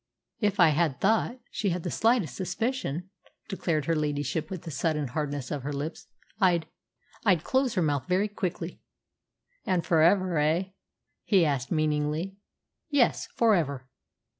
"If I thought she had the slightest suspicion," declared her ladyship with a sudden hardness of her lips, "I'd I'd close her mouth very quickly." "And for ever, eh?" he asked meaningly. "Yes, for ever."